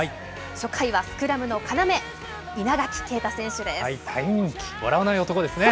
初回はスクラムの要、大人気、笑わない男ですね。